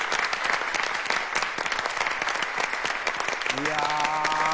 いや。